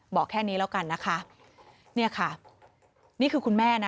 บอกแค่นี้แล้วกันนะคะเนี่ยค่ะนี่คือคุณแม่นะ